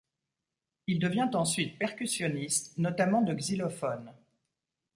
Il devient ensuite percussionniste notamment de xylophone.